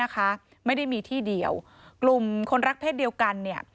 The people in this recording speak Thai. ไม่ได้มีที่เดียวกลุ่มคนรักเศษเดียวกันเนี่ย